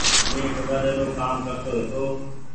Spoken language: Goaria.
مينٚ ڪوۮاڙي رو ڪآم ڪرتو هيتو